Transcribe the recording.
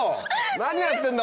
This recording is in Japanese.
何やってんだ？